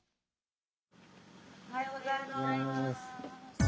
おはようございます。